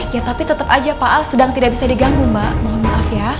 ya tapi tetap aja pak al sedang tidak bisa diganggu mbak mohon maaf ya